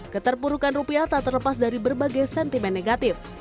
keterpurukan rupiah tak terlepas dari berbagai sentimen negatif